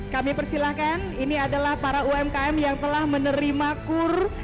kami persilahkan ini adalah para umkm yang telah menerima kur